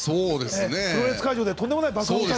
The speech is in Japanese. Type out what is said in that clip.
プロレス会場で、とんでもない。